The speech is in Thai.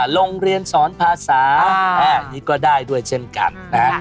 โรงเรียนสอนภาษานี่ก็ได้ด้วยเช่นกันนะ